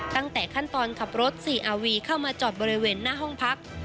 ตั้งแต่ขั้นตอนขับรถซีอาวีเข้ามาจอดบริเวณหน้าห้องพัก